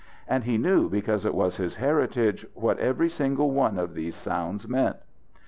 And he knew because it was his heritage, what every single one of these sounds meant.